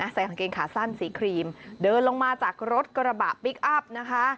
ใส่กางเกงขาสั้นสีครีมเดินลงมาจากรถกระบะพลิกอัพนะคะ